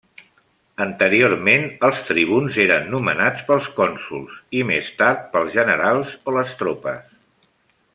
Anteriorment els tribuns eren nomenats pels cònsols i més tard pels generals o les tropes.